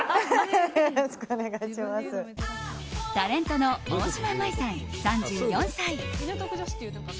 タレントの大島麻衣さん３４歳。